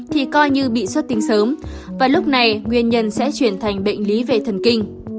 thì coi như bị xuất tinh sớm và lúc này nguyên nhân sẽ chuyển thành bệnh lý về thần kinh